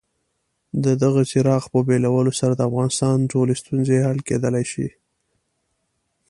د دغه څراغ په بلولو سره د افغانستان ټولې ستونزې حل کېدلای شي.